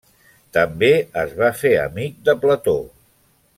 També es va fer amic de Plató.